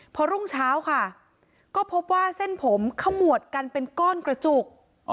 พอรุ่งเช้าค่ะก็พบว่าเส้นผมขมวดกันเป็นก้อนกระจุก